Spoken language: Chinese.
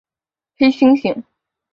黑猩猩。